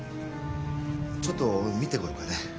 ちょっと見てこようかね。